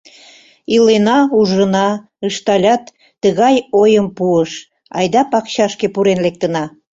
— Илена — ужына, — ышталят, тыгай ойым пуыш: — Айда пакчашке пурен лектына.